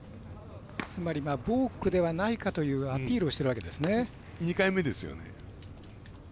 つまりボークではないかというアピールをしているわけですよね。